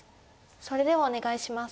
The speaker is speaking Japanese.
それではお願いします。